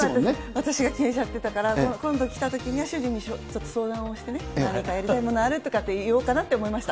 私が決めちゃってたから、今度来たときには、主人にちょっと相談をしてね、何かやりたいものある？とかって言おうかなと思いました。